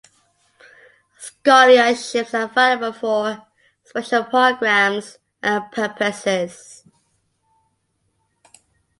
Scholarships are available for special programs and purposes.